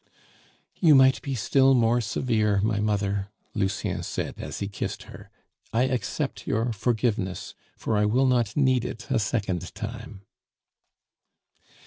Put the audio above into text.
"You might be still more severe, my mother," Lucien said, as he kissed her. "I accept your forgiveness, for I will not need it a second time."